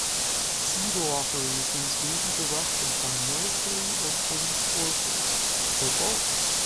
Pseudo-operations may be directed by military or police forces, or both.